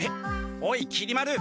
おいきり丸！